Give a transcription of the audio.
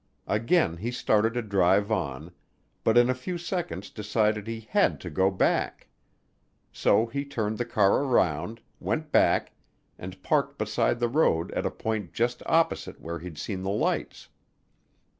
Again he started to drive on, but in a few seconds decided he had to go back. So he turned the car around, went back, and parked beside the road at a point just opposite where he'd seen the lights.